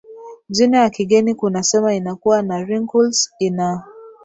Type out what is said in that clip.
jina ya kigeni kunasema inakua na wrinkles ina